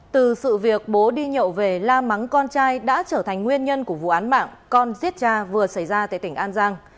từ sự việc bố đi nhậu về la mắng con trai đã trở thành nguyên nhân của vụ án mạng con giết cha vừa xảy ra tại tỉnh an giang